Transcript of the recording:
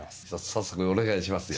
早速お願いしますよ。